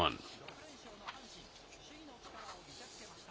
６連勝の阪神、首位の力を見せつけました。